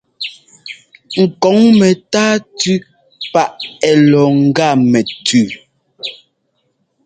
Ŋ kɔŋ mɛntáa tʉ́ paʼ ɛ́ lɔ ŋ́gá mɛtʉʉ.